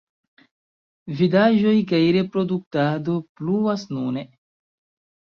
Vidaĵoj kaj reproduktado pluas nune.